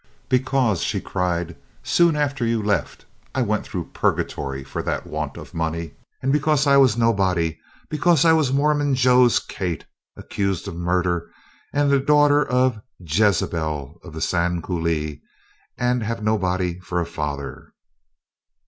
"Because," she cried, "soon after you left I went through purgatory for that want of money, and because I was nobody because I was 'Mormon Joe's Kate,' accused of murder, and the daughter of 'Jezebel of the Sand Coulee,' and have nobody for a father!"